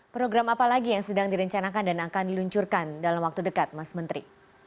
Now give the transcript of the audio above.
program apa lagi yang sedang direncanakan dan akan diluncurkan dalam waktu dekat mas menteri